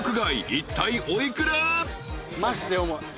いったいお幾ら？］